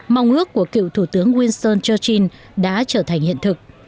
mong ước của cựu thủ tướng winston churchill đã trở thành hiện thực